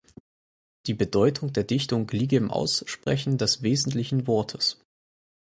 Die Bedeutung der Dichtung liege im Aussprechen des wesentlichen Wortes.